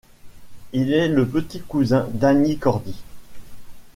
Il est le petit cousin d'Annie Cordy.